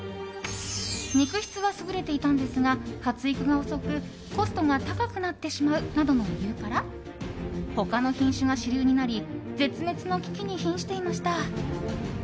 肉質は優れていたのですが発育が遅くコストが高くなってしまうなどの理由から他の品種が主流になり絶滅の危機に瀕していました。